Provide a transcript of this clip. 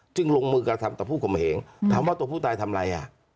จึงลงมือกับผู้คมเหงถามว่าตัวผู้ตายทำอะไรอ่ะ